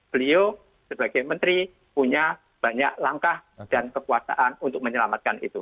beliau sebagai menteri punya banyak langkah dan kekuasaan untuk menyelamatkan itu